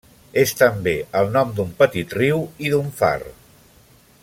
És també el nom d'un petit riu i d'un far.